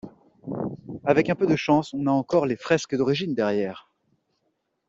Avec un peu de chance, on a encore les fresques d'origine derrière.